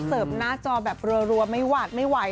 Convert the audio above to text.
เสิร์ฟหน้าจอแบบรัวไม่หวาดไม่ไหว